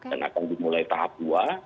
dan akan dimulai tahap dua